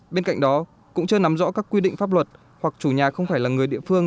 bên cạnh đó cũng chưa nắm rõ các quy định pháp luật hoặc chủ nhà không phải là người địa phương